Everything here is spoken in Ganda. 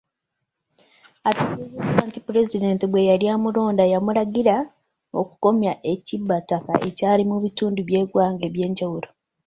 Ategeezezza nti Pulezidenti bwe yali amulonda yamulagira okukomya ekibbattaka ekiri mu bitundu by'eggwanga eby'enjawulo.